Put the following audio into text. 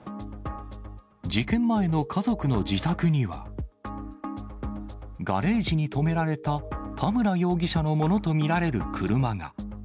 事件前の家族の自宅には、ガレージに止められた田村容疑者のものと見られる車が。